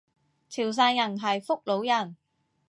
汕尾人係福佬人